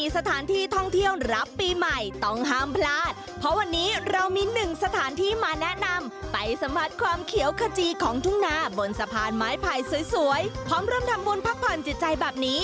สลอนข่าวมาแล้วจ้า